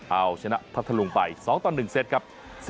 เอาชนะพัทธลุงไป๒๑เสร็จครับ